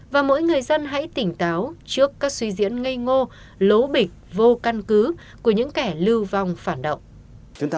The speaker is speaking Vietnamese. và mỗi người dân hãy tỉnh táo trước các suy diễn ngây ngô lố bịch vô căn cứ của những kẻ lưu vong phản động